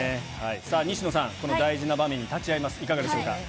さあ、西野さん、この大事な場面に立ち会います、いかがでしょうか。